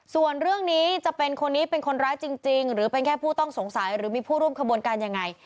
ส่วนเรื่องนี้จะเป็นคนนี้เป็นคนร้ายจริงหรือเป็นแค่ผู้ต้องสงสัยหรือมีผู้ร่วมขบวนการยังไง